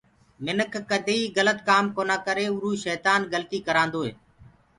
مٚنک ڪديئيٚ گلِت ڪآم ڪونآ ڪري اروُ شيتآن گلتيٚ ڪروآدوئي